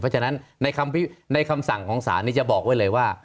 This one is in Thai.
เพราะฉะนั้นในคำสั่งของศาลนี้จะบอกไว้เลยว่า